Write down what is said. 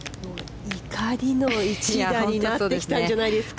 怒りの一打になってきたんじゃないですか？